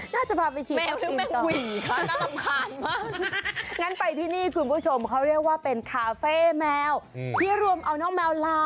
น่าจะพาไปชีมขาดกินต่อ